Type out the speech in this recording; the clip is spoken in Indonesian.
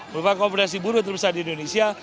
berupa kompresi buruh terbesar di indonesia